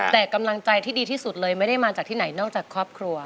แต่กำลังใจที่ดีที่สุดเลยไม่ได้มาจากที่ไหนนอกจากครอบครัว